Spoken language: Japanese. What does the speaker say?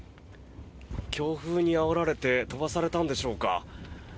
強風にあおられて飛ばされたんでしょうか。